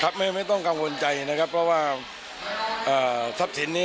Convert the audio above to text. ไม่ไม่ต้องกังวลใจนะครับเพราะว่าทรัพย์สินนี้